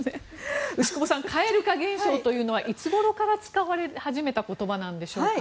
牛窪さん蛙化現象というのはいつごろから使われ始めた言葉なんでしょうか。